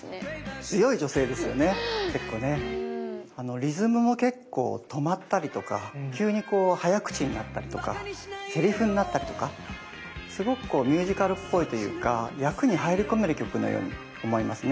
リズムも結構止まったりとか急にこう早口になったりとかセリフになったりとかすごくこうミュージカルっぽいというか役に入り込める曲のように思いますね。